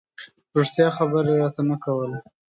رښتیا خبره یې راته نه کوله.